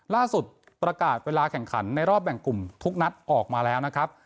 ล่าสุดประกาศเวลาแข่งขันในรอบแบ่งกลุ่มทุกนัดออกมาแล้วนะครับ